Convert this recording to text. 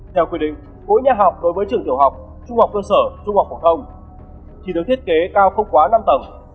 theo quy định khối nhà học đối với trường tiểu học trung học cơ sở trung học phổ thông chỉ được thiết kế cao không quá năm tầng